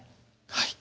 はい。